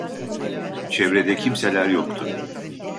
Çevrede kimseler yoktu.